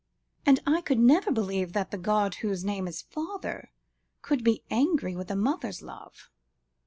And I could never believe that the God Whose name is Father, could be angry with a mother's love."